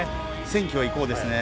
「選挙へ行こう！」ですね。